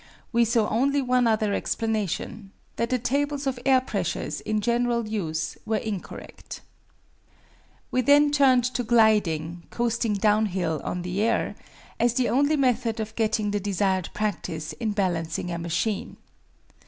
We saw only one other explanation that the tables of air pressures in general use were incorrect. We then turned to gliding coasting downhill on the air as the only method of getting the desired practice in balancing a machine.